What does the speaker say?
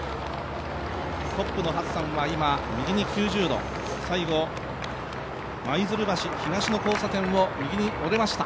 トップのハッサンは右に９０度、最後舞鶴橋東交差点を右に折れました。